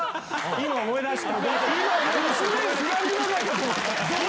今思い出した！